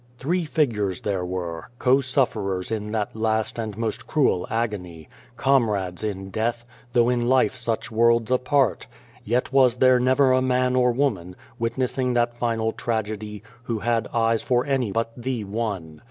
Three figures there were, co sufferers in that last and most cruel agony comrades in death, though in life such worlds apart yet was there never a man or woman, witnessing that final tragedy, who had eyes for any but the One.